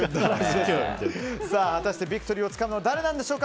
果たしてビクトリーをつかむのは誰なんでしょうか。